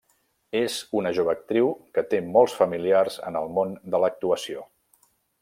És una jove actriu que té molts familiars en el món de l'actuació.